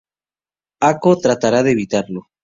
Ako tratará de evitarlo.